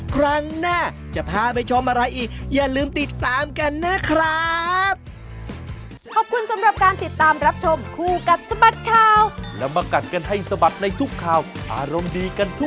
ครั้งหน้าจะพาไปชมอะไรอีก